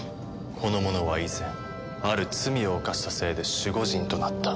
この者は以前ある罪を犯したせいで守護人となった。